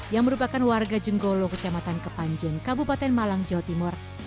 yang merupakan warga jenggolo kecamatan kepanjen kabupaten malang jawa timur